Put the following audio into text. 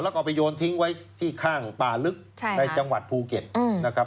แล้วก็ไปโยนทิ้งไว้ที่ข้างป่าลึกในจังหวัดภูเก็ตนะครับ